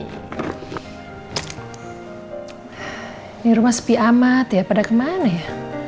ini rumah sepi amat ya pada kemana ya